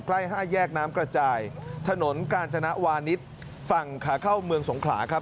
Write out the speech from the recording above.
ใกล้๕แยกน้ำกระจายถนนกาญจนวานิสฝั่งขาเข้าเมืองสงขลาครับ